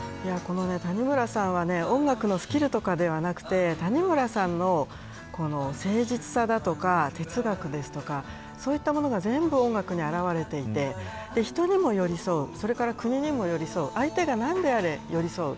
谷村さんは音楽のスキルとかではなくて谷村さんの誠実さだとか哲学ですとか、そういったものが全部音楽に表れていて人にも寄り添うそれから国にも寄り添うという相手が何であれ寄り添う。